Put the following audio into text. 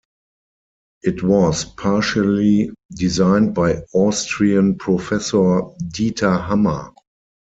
It was partially designed by Austrian professor Dieter Hammer.